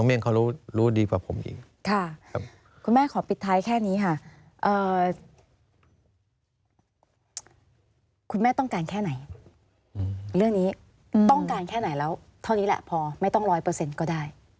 เรื่องนี้ต้องการแค่ไหนแล้วเท่านี้แหละพอไม่ต้องร้อยเปอร์เซ็นต์ก็ได้